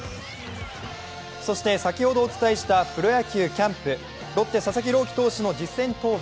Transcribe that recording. そして先ほどお伝えしたプロ野球キャンプ、ロッテ・佐々木朗希投手の実践登板